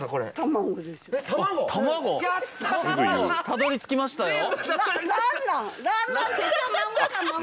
たどりつきましたよ。